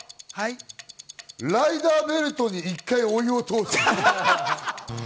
ライダーベルトに一回、お湯を通す。